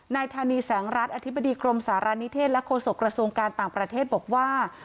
นายธานีแสงรัฐอธิบดีกรมสารณิเทศและโฆษกระทรวงการต่างประเทศบอกว่า